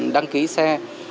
đăng ký xe